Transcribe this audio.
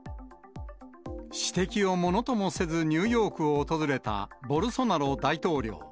指摘をものともせずニューヨークを訪れたボルソナロ大統領。